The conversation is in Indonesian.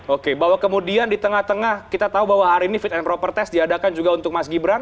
oke bahwa kemudian di tengah tengah kita tahu bahwa hari ini fit and proper test diadakan juga untuk mas gibran